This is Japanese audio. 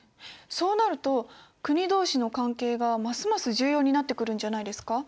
そうなると国同士の関係がますます重要になってくるんじゃないですか？